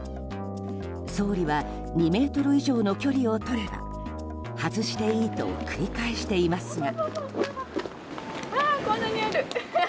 総理は、２ｍ以上の距離を取れば外していいと繰り返していますが。